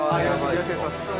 よろしくお願いします。